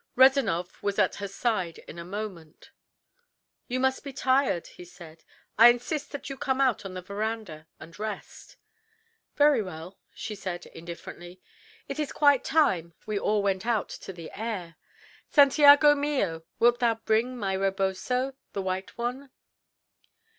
Rezanov was at her side in a moment. "You must be tired," he said. "I insist that you come out on the veranda and rest." "Very well," she said indifferently; "it is quite time we all went out to the air. Santiago mio, wilt thou bring my reboso the white one?"